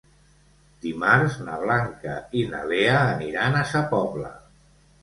Dimarts na Blanca i na Lea aniran a Sa Pobla.